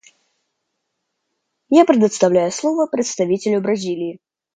Я предоставляю слово представителю Бразилии.